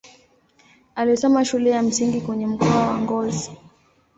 Alisoma shule ya msingi kwenye mkoa wa Ngozi.